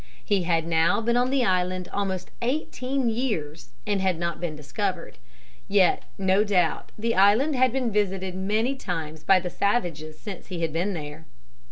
He had now been on the island almost eighteen years and had not been discovered. Yet, no doubt, the island had been visited many times by the savages since he had been there.